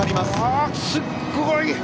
すごい。